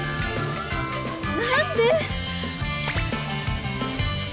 何で！